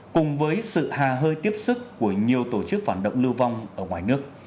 cùng với sự hà hơi tiếp sức của nhiều tổ chức phản động lưu vong ở ngoài nước